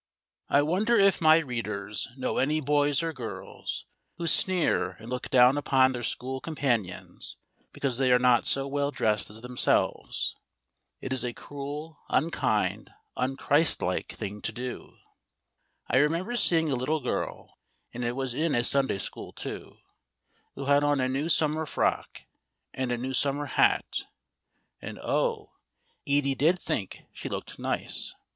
I WONDER if my readers know any boys or girls who sneer and look down upon their school companions because they are not so well dressed as themselves? It is a cruel, unkind, un Christ like thing to do. I remember seeing a little girl, and it was in a Sunday School too, who had on a new summer frock and a new summer hat; and oh! Edie did think she looked nice.